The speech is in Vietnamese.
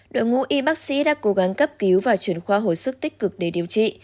đội ngũ y bác sĩ đã cố gắng cấp cứu và chuyển khoa hồi sức tích cực để điều trị